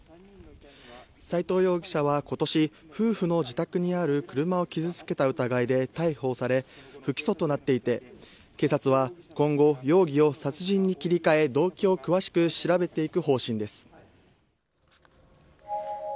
斎藤容疑者はことし、夫婦の自宅にある車を傷つけた疑いで逮捕され、不起訴となっていて、警察は今後容疑を殺人に切り替え、動機を詳しく調べていく方針です。